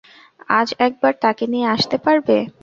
আজ একবার তাঁকে নিয়ে আসতে পারবে?